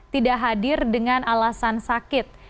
tidak hadir dengan alasan sakit